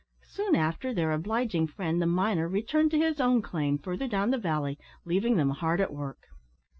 Soon after, their obliging friend, the miner, returned to his own claim further down the valley, leaving them hard at work.